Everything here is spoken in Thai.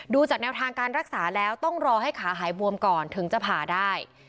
จากแนวทางการรักษาแล้วต้องรอให้ขาหายบวมก่อนถึงจะผ่าได้